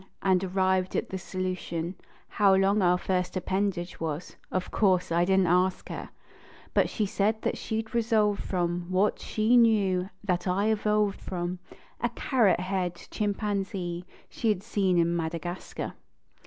And arrived at the solution How long our first appendage was ; of course, I didn t ask her, But she said that she d resolved from What she knew, that I evolved from A carrot haired chimpanzee she had seen in Madagascar.